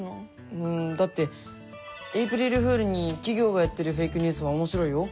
うんだってエイプリルフールに企業がやってるフェイクニュースも面白いよ。